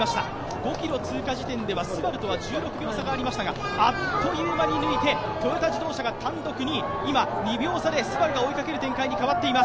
５ｋｍ通過地点ではＳＵＢＡＲＵとは差がありましたがあっという間に抜いてトヨタ自動車が単独２位、今、２秒差でＳＵＢＡＲＵが追いかける展開に変わっています。